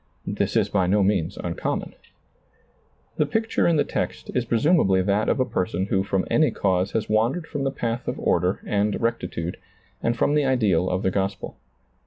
This is by no means uncommon. DiailizccbvGoOgle iz8 SEEING DARKLY The picture in the text is presumably that of a person who from any cause has wandered front the path of order and rectitude and from the ideal of the gospel.